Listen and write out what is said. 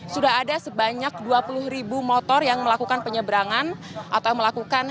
sudah ada sebanyak dua puluh ribu motor yang melakukan penyeberangan atau melakukan